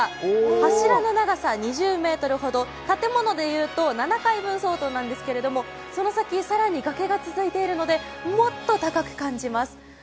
柱の長さ２０ｍほど建物でいうと７階分相当ですがその先、更に崖が続いているのでもっと高く感じます。